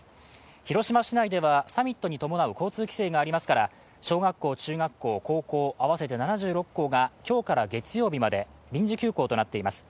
広島市内ではサミットに伴う交通規制がありますから小学校、中学校、高校、合わせて７６校が今日から月曜日まで臨時休校となっています。